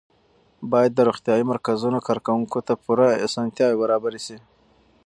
باید د روغتیایي مرکزونو کارکوونکو ته پوره اسانتیاوې برابرې شي.